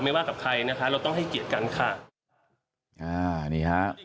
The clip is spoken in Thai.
ไม่ว่ากับใครนะคะเราต้องให้เกียรติกันค่ะ